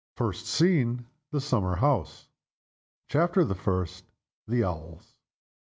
FIRST SCENE. THE SUMMER HOUSE. CHAPTER THE FIRST. THE OWLS.